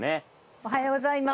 おはようございます。